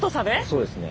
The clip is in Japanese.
そうですね。